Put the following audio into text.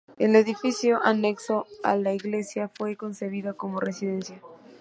El edificio anexo a la iglesia fue concebido como residencia.